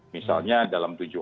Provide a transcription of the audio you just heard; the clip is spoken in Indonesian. misalnya dalam tujuh hari tersebut